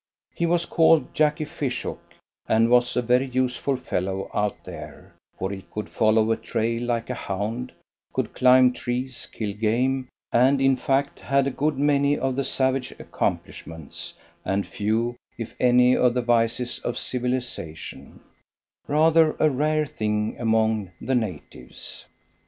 He was called Jacky Fishook, and was a very useful fellow out there, for he could follow a trail like a hound, could climb trees, kill game, and in fact had a good many of the savage accomplishments, and few, if any, of the vices of civilization rather a rare thing among the natives.